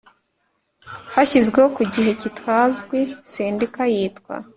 Hashyizweho ku gihe kitazwi Sendika yitwa